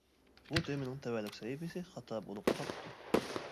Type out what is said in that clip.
بۇ تېمىنىڭ تەۋەلىك سەھىپىسى خاتا بولۇپ قاپتۇ.